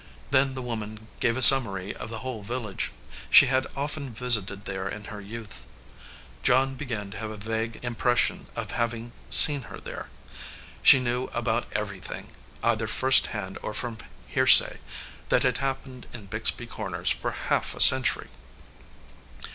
Then the woman gave a summary of the whole village. She had often visited there in her youth. John began to have a vague impression of having seen her there. She knew about everything, either first hand or from hearsay, that had happened in Bixby Corners for half a century.